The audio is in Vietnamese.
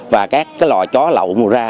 và các lò chó lậu mua ra